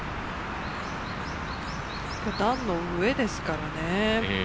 段の上ですかね。